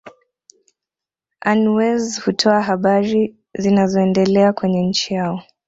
anwez kutoa habari zinazoendelea kwenye nchi yao